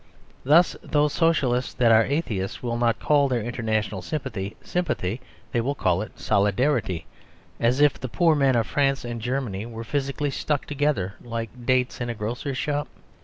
Thus those Socialists that are atheist will not call their international sympathy, sympathy; they will call it "solidarity," as if the poor men of France and Germany were physically stuck together like dates in a grocer's shop.